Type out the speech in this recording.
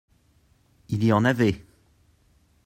Il y en avait.